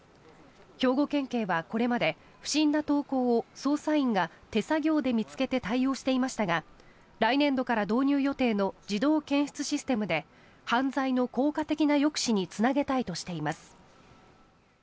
兵庫県警はこれまで不審な投稿を捜査員が手作業で見つけて対応していましたが来年度から導入予定の自動検出システムで犯罪の効果的な抑止につなげたいとしています。